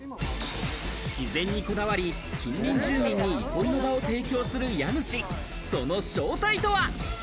自然にこだわり、近隣住民に憩いの場を提供する家主、その正体とは？